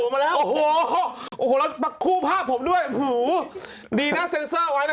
เอ้าโฮประกาศพูดผ้าผมด้วยดีน่ะเซ็นเซอร์ไว้